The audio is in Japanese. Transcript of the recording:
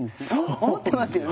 思ってますよね。